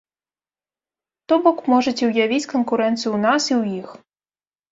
То бок, можаце ўявіць канкурэнцыю ў нас, і ў іх.